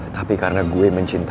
tapi karena gue mencintai